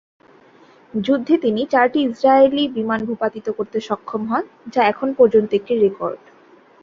যুদ্ধে তিনি চারটি ইসরায়েলি বিমান ভূপাতিত করতে সক্ষম হন, যা এখন পর্যন্ত একটি রেকর্ড।